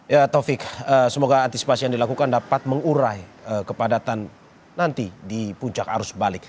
ya taufik semoga antisipasi yang dilakukan dapat mengurai kepadatan nanti di puncak arus balik